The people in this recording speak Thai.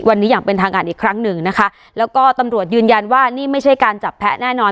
วันนี้อย่างเป็นทางการอีกครั้งหนึ่งนะคะแล้วก็ตำรวจยืนยันว่านี่ไม่ใช่การจับแพ้แน่นอน